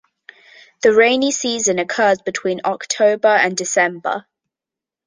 The rainy season occurs between October and December.